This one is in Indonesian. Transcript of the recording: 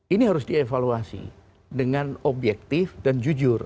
ini harus dievaluasi dengan objektif dan jujur